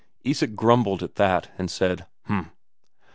Isak grumbled at that and said "H'm."